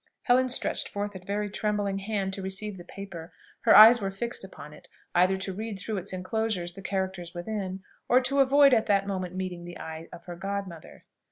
Helen stretched forth a very trembling hand to receive the paper; her eyes were fixed upon it, either to read through its enclosure the characters within, or to avoid at that moment meeting the eye of her godmother.